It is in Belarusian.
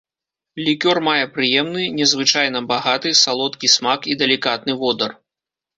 Лікёр мае прыемны, незвычайна багаты, салодкі смак і далікатны водар.